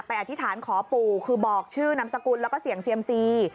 อธิษฐานขอปู่คือบอกชื่อนามสกุลแล้วก็เสี่ยงเซียมซี